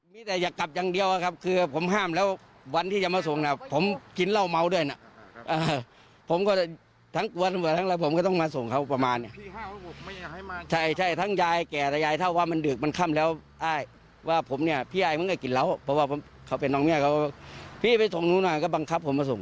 มีผู้เสียชีวิต๕ศพนะครับค่ะมีผู้เสียชีวิต๕ศพนะครับค่ะ